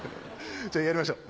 じゃやりましょう。